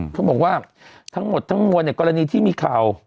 เขาบอกว่าทั้งหมดทั้งมวลกรณีที่มีข่าว